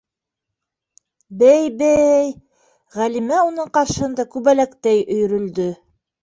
Бәй, бәй, - Ғәлимә уның ҡаршыһында күбәләктәй өйөрөлдө.